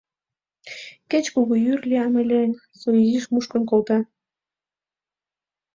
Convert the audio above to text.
Кеч кугу йӱр лиям ыле, со изиш мушкын колта.